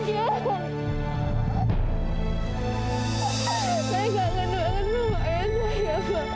saya kangen banget sama ayah saya pak